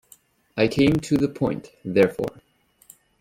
I came to the point, therefore.